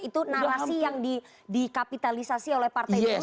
itu narasi yang dikapitalisasi oleh partai nasdem